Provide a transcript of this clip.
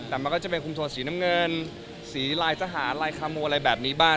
แต่มันก็จะเป็นคุมโทนสีน้ำเงินสีลายทหารลายคาโมอะไรแบบนี้บ้าง